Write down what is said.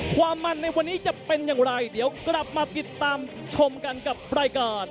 ความมันในวันนี้จะเป็นอย่างไรเดี๋ยวกลับมาติดตามชมกันกับรายการ